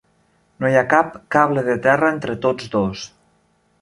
No hi ha cap "cable de terra" entre tots dos.